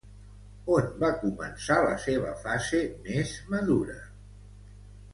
On va començar la seva fase més madura?